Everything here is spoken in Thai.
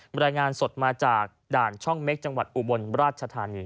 รายงานสดมาจากด่านช่องเม็กจังหวัดอุบลราชธานี